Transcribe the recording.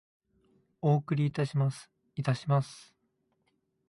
お送りいたします。いたします。